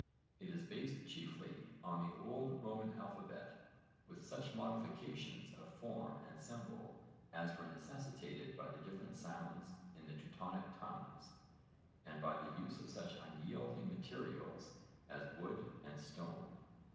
It is based chiefly on the old Roman alphabet with such modifications of form and symbol as were necessitated by the different sounds in the Teutonic tongues and by the use of such unyielding materials as wood and stone.